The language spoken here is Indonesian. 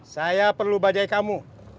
saya perlu bajai kamu